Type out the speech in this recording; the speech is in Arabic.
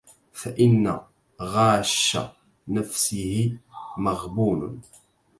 فَإِنَّ غَاشَّ نَفْسِهِ مَغْبُونٌ